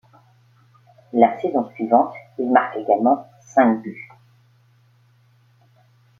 La saison suivante, il marque également cinq buts.